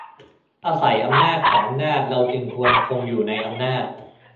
อาศัยอำนาจของอำนาจเราจึงควรคงอยู่ในอำนาจ